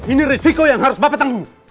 ini risiko yang harus bapak tanggung